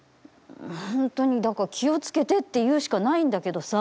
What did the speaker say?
本当に、だから気をつけてって言うしかないんだけどさ。